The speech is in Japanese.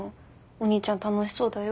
お兄ちゃん楽しそうだよ。